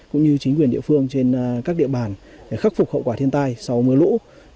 cũng như chính quyền địa phương trên các địa bàn để khắc phục hậu quả thiên tai sau mưa lũ